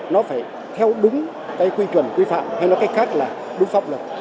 nó phải theo đúng cái quy chuẩn quy phạm hay nói cách khác là đúng pháp luật